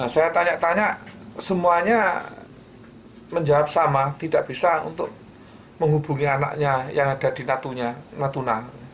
saya tanya tanya semuanya menjawab sama tidak bisa untuk menghubungi anaknya yang ada di natuna